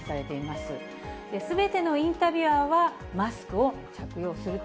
すべてのインタビュアーはマスクを着用すると。